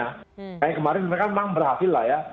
kayaknya kemarin mereka memang berhasil lah ya